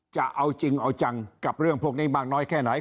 จะเอาจริงเอาจังกับเรื่องพวกนี้มากน้อยแค่ไหน